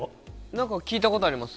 なんか聞いたことあります。